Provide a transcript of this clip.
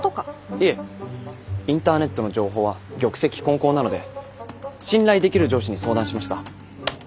いえインターネットの情報は玉石混交なので信頼できる上司に相談しました。